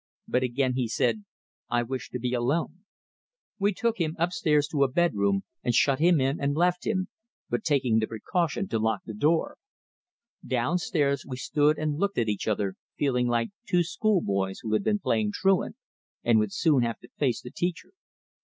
But again he said: "I wish to be alone." We took him upstairs to a bed room, and shut him in and left him but taking the precaution to lock the door. Downstairs, we stood and looked at each other, feeling like two school boys who had been playing truant, and would soon have to face the teacher.